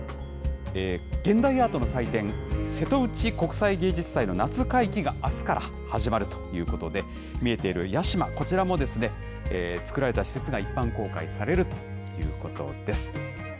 現代アートの祭典、瀬戸内国際芸術祭の夏会期があすから始まるということで、見えている屋島、こちらも作られた施設が一般公開されるということです。